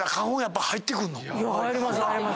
入ります。